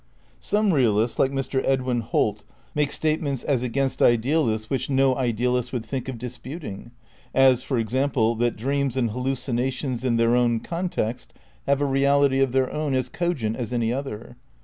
Some realists, like Mr. Edwin Holt, make statements as against idealists which no idealist would think of disputing ; as, for example, that dreams and hallucina tions in their own context have a reality of their own as cogent as any other.